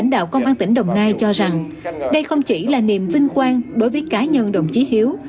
lãnh đạo công an tỉnh đồng nai cho rằng đây không chỉ là niềm vinh quang đối với cá nhân đồng chí hiếu